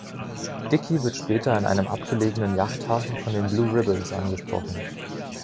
Dickey wird später in einem abgelegenen Jachthafen von den Blue Ribbons angesprochen.